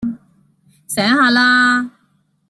醒下啦